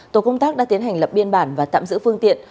tổ công tác đã tiến hành lập biên bản và tạm giữ phương tiện